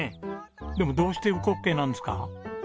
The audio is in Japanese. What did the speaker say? でもどうして烏骨鶏なんですか？